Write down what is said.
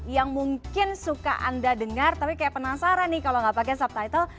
yang mungkin suka anda dengar tapi penasaran kalau tidak pakai subtitle